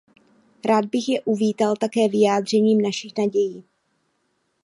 Rád bych je uvítal také vyjádřením našich nadějí.